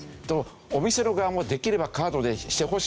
お店の側もできればカードでしてほしくない。